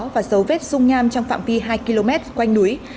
và dấu vết dung nham trong phạm vi hai km quanh núi